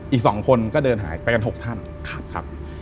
อีก๒คนก็เดินหาไปกัน๖ท่าน